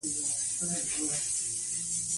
لعل د افغانستان د چاپیریال ساتنې لپاره مهم دي.